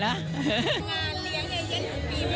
งานเหลียงเย็นถึงปีป่ะ